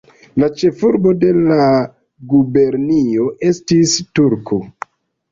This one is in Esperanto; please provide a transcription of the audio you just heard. La ĉefurbo de la gubernio estis Turku.